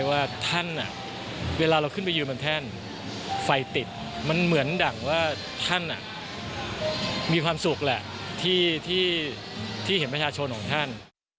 ว่าท่านเวลาเราขึ้นไปยืนบนแท่นไฟติดมันเหมือนดั่งว่าท่านมีความสุขแหละที่เห็นประชาชนของท่าน